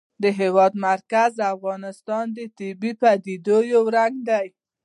د هېواد مرکز د افغانستان د طبیعي پدیدو یو رنګ دی.